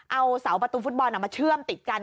เอาเสาประตูฟุตบอลมาเชื่อมติดกัน